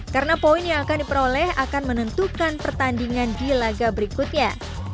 karena poin yang akan diperoleh akan menentukan pertandingan di laga berikutnya